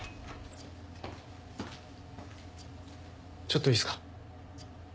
ちょっといいっすか？